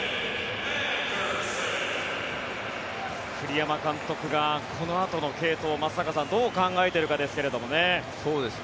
栗山監督がこのあとの継投松坂さんどう考えているかですけど。